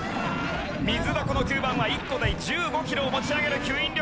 ミズダコの吸盤は１個で１５キロを持ち上げる吸引力。